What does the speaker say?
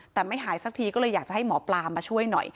แต่ไม่หายสักทีก็เลยอยากจะให้หมอปลามาช่วยหน่อย